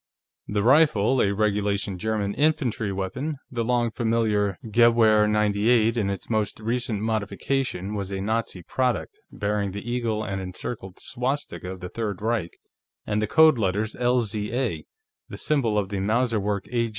The rifle, a regulation German infantry weapon, the long familiar Gewehr '98 in its most recent modification, was a Nazi product, bearing the eagle and encircled swastika of the Third Reich and the code letters lza the symbol of the Mauserwerke A.